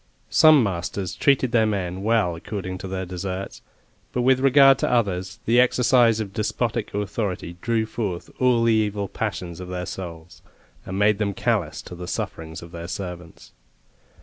Some masters treated their men well according to their deserts; but with regard to others, the exercise of despotic authority drew forth all the evil passions of their souls, and made them callous to the sufferings of their servants.